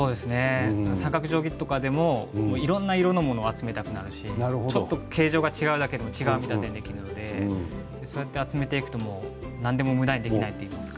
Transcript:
三角定規でもいろんな色のものを集めたくなるし形状が違うだけでも違うものが作れるので集めていくと何でもむだにできないというか。